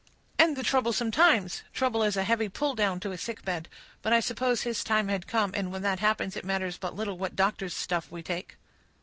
"And the troublesome times. Trouble is a heavy pull down to a sick bed; but I suppose his time had come, and when that happens, it matters but little what doctor's stuff we take."